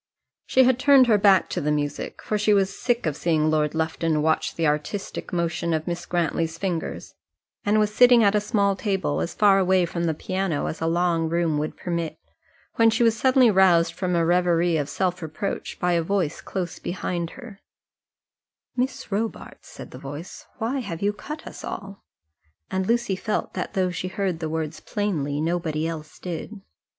She had turned her back to the music, for she was sick of seeing Lord Lufton watch the artistic motion of Miss Grantly's fingers, and was sitting at a small table as far away from the piano as a long room would permit, when she was suddenly roused from a reverie of self reproach by a voice close behind her: "Miss Robarts," said the voice, "why have you cut us all?" and Lucy felt that though she heard the words plainly, nobody else did.